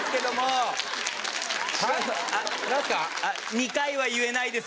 ２回は言えないです